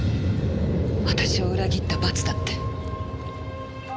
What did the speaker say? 私を裏切った罰だって。